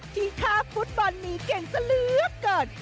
ที่ค่าฟุตบอลมีเก่งเสลือกเกิด